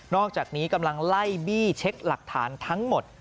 อกจากนี้กำลังไล่บี้เช็คหลักฐานทั้งหมด